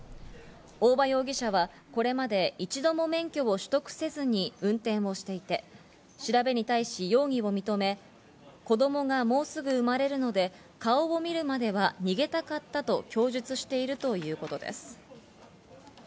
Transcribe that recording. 大場容疑者はこれまで一度も免許を取得せずに運転をしていて、調べに対し容疑を認め子供がもうすぐ生まれるので顔を見るまでは逃げたかったと供述しているということです。